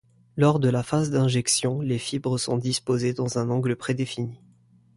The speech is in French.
Lors de la phase d'injection, les fibres sont disposées dans un angle prédéfini.